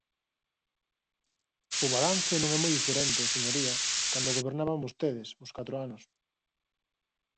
O balance non é moi diferente, señoría, cando gobernaban vostedes, os catro anos.